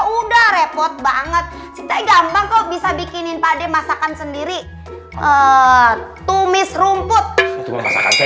udah repot banget kita gampang kok bisa bikinin pade masakan sendiri eh tumis rumput itu masakan